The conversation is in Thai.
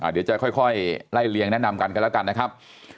เดี๋ยวจะค่อยไล่เลี่ยงแนะนำกันกันแล้วกันนะครับ